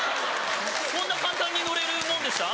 そんな簡単に乗れるものでした？